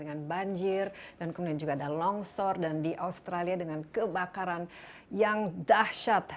dengan banjir dan kemudian juga ada longsor dan di australia dengan kebakaran yang dahsyat